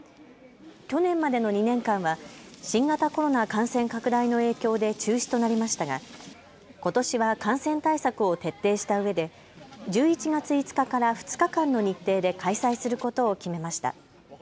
去年までの２年間は新型コロナ感染拡大の影響で中止となりましたがことしは感染対策を徹底したうえで１１月５日から２日間の日程で開催することを決めました。